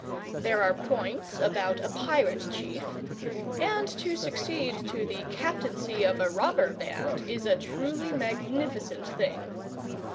There are points about a Pirate Chief, and to succeed to the Captaincy of a Robber Band is a truly magnificent thing.